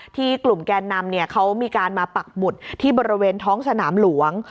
กลุ่มแกนนำเนี่ยเขามีการมาปักหมุดที่บริเวณท้องสนามหลวง